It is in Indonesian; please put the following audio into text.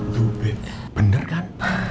bu bener kan